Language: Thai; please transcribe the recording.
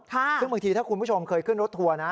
ซึ่งบางทีถ้าคุณผู้ชมเคยขึ้นรถทัวร์นะ